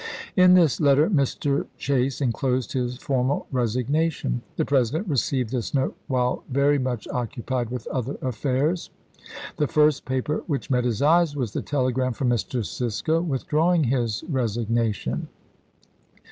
In this letter Mr. Chase inclosed his formal resig nation. The President received this note while very much occupied with other affairs. The first paper which met his eyes was the telegram from Mr. Cisco withdrawing his resignation.